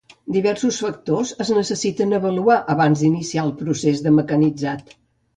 Diversos factors es necessiten avaluar abans d'iniciar el procés de mecanitzat.